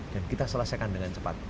dan kita selesaikan dengan cepat